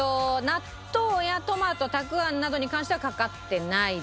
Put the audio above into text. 納豆やトマトたくあんなどに関してはかかってないです。